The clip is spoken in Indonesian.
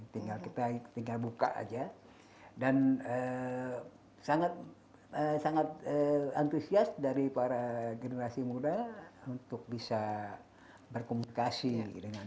tinggal kita tinggal buka aja dan sangat sangat antusias dari para generasi muda untuk bisa berkomunikasi dengan